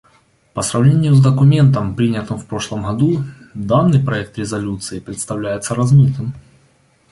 По сравнению с документом, принятым в прошлом году, данный проект резолюции представляется размытым.